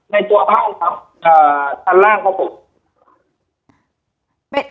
ในตัวบ้านครับชั้นล่างครับผม